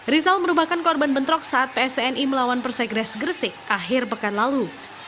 rizal merupakan korban bentrok saat psni melawan persegres gresik akhir pekan lalu